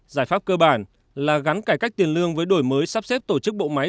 giải pháp cơ bản là gắn cải cách tiền lương với đổi mới sắp xếp tổ chức bộ máy